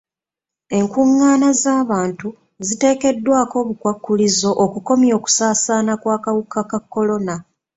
Enkungaana z'abantu ziteekeddwako obukwakkulizo okukomya okusaasaana kw'akawuka ka kolona.